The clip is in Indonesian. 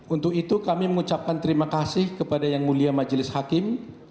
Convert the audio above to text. untuk itu kami mengucapkan terima kasih kepada yang mulia majelis hakim